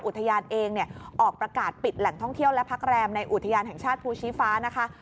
อุทยานเองเนี่ยออกประกาศปิดแหล่งท่องเที่ยวและพักแรมในอุทยานแห่งชาติภูชีฟ้านะคะ